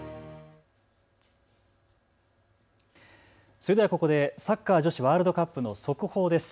それではここでサッカー女子ワールドカップの速報です。